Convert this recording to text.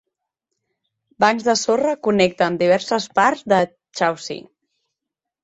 Bancs de sorra connecten diverses parts de Chausey.